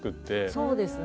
そうですね。